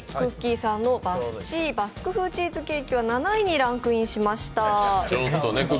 さんのバスチーバスク風チーズケーキは７位にランクインしました。